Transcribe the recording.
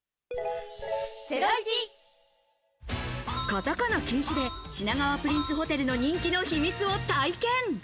カタカナ禁止で品川プリンスホテルの人気の秘密を体験。